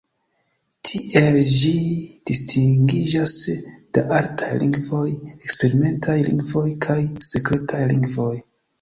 Tiel ĝi distingiĝas de artaj lingvoj, eksperimentaj lingvoj kaj sekretaj lingvoj.